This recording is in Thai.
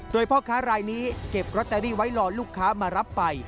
โดยพ่อค้ารายนี้เก็บลอตเตอรี่ไว้รอลูกค้ามารับไป